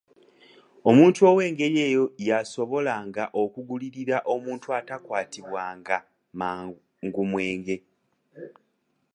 Omuntu ow’engeri eyo yasobolanga okugulirira omuntu atakwatibwanga mangu mwenge.